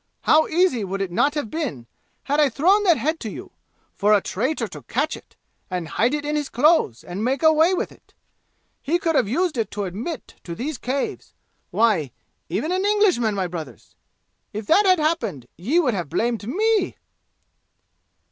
how easy would it not have been, had I thrown that head to you, for a traitor to catch it and hide it in his clothes, and make away with it! He could have used it to admit to these caves why even an Englishman, my brothers! If that had happened, ye would have blamed me!"